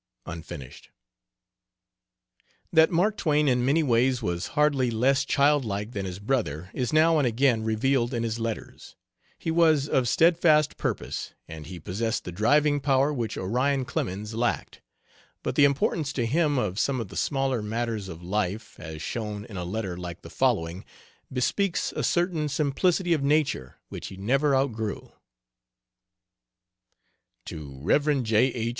(Unfinished.) That Mark Twain in many ways was hardly less child like than his brother is now and again revealed in his letters. He was of steadfast purpose, and he possessed the driving power which Orion Clemens lacked; but the importance to him of some of the smaller matters of life, as shown in a letter like the following, bespeaks a certain simplicity of nature which he never outgrew: To Rev. J. H.